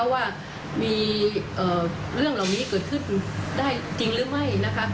ว่ามีเรื่องเหล่านี้เกิดขึ้นได้จริงหรือไม่นะคะ